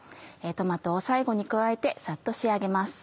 トマトを最後に加えてさっと仕上げます。